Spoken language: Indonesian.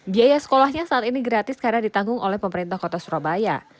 biaya sekolahnya saat ini gratis karena ditanggung oleh pemerintah kota surabaya